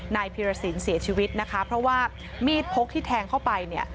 นายพีรสินเสียชีวิตนะคะเพราะว่ามีดพกที่แทงเข้าไปเนี่ย